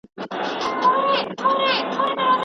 ایا د ماشومانو لپاره د مېوو د پاکولو لاره ښودل پکار دي؟